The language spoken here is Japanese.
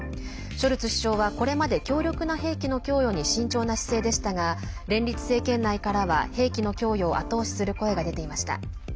ショルツ首相はこれまで強力な兵器の供与に慎重な姿勢でしたが連立政権内からは兵器の供与を後押しする声が出ていました。